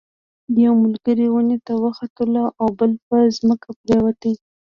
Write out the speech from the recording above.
یو ملګری ونې ته وختلو او بل په ځمکه پریوت.